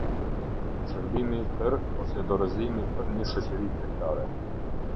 Shërbimi për ose Dorëzimi për një Shoqëri Tregtare.